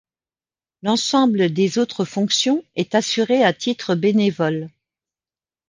L'ensemble des autres fonctions est assuré à titre bénévole.